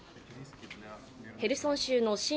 ヘルソン州の親